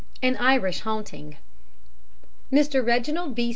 An Irish Haunting Mr. Reginald B.